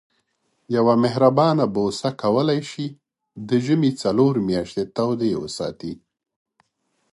یوه مهربانه بوسه کولای شي د ژمي څلور میاشتې تودې وساتي.